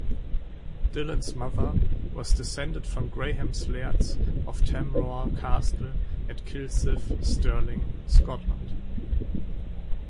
Dillon's mother was descended from Grahams Lairds of Tamrawer Castle at Kilsyth, Stirling, Scotland.